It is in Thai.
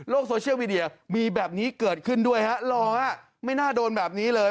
โซเชียลมีเดียมีแบบนี้เกิดขึ้นด้วยฮะรอฮะไม่น่าโดนแบบนี้เลย